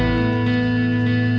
oke sampai jumpa